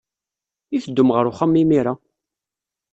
I teddum ɣer wexxam imir-a?